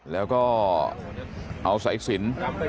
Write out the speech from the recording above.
แล้วก็เอาสายสิน